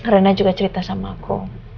rena juga cerita sama aku